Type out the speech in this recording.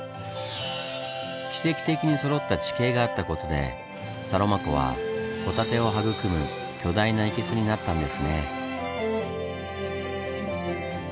奇跡的にそろった地形があったことでサロマ湖はホタテを育む「巨大な生けす」になったんですね。